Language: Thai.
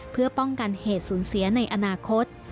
เพื่อป้องกันเหตุสูญเสียในอนาคต